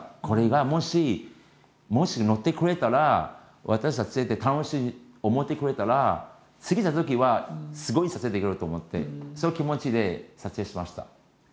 これがもしもしのってくれたら私の撮影って楽しいって思ってくれたら次のときはすごい撮影できると思ってそういう気持ちで撮影しました。